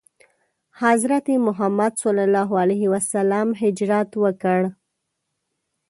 حضرت محمد ﷺ هجرت وکړ.